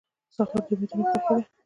سهار د امیدونو خوښي ده.